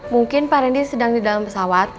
mungkin pak randy sedang di dalam pesawat